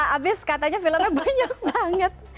abis katanya filmnya banyak banget